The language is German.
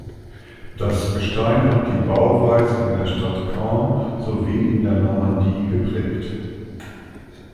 Das Gestein hat die Bauweise in der Stadt Caen sowie in der Normandie geprägt.